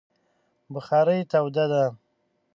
بخارۍ توده ده